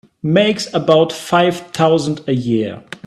Makes about five thousand a year.